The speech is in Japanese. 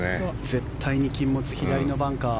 絶対に禁物左のバンカー。